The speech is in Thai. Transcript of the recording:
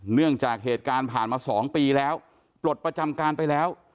เนื่องจากเหตุการณ์ผ่านมา๒ปีแล้วปลดประจำการไปแล้ว